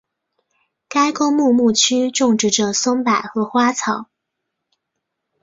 该公墓墓区种植着松柏和花草。